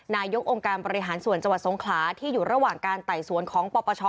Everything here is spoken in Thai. นายกองค์การบริหารส่วนจังหวัดสงขลาที่อยู่ระหว่างการไต่สวนของปปช